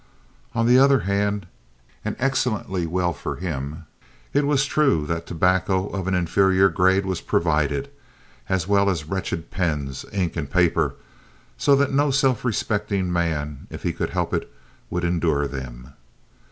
On the other hand, and excellently well for him, it was true that tobacco of an inferior grade was provided, as well as wretched pens, ink and paper, so that no self respecting man, if he could help it, would endure them.